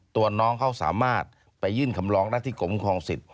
ตัวน้องเขาสามารถไปยื่นคำร้องได้ที่กรมครองสิทธิ